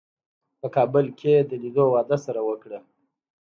په کابل کې د لیدو وعده سره وکړه.